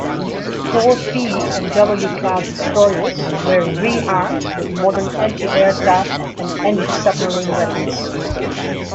Four V and W-class destroyers were re-armed with modern anti-aircraft and anti-submarine weapons.